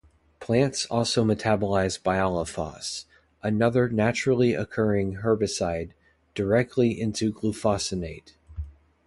Plants also metabolise bialaphos, another naturally occurring herbicide, directly into glufosinate.